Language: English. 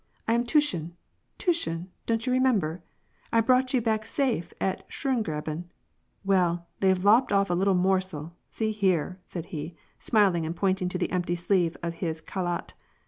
" I'm Tushin, Tushin, don't you re member ? I brought you back safe at Schongraben I Well, they've lopped off a little morsel, see here !" said he, smiling, and pointing to the empty sleeve of his khalat.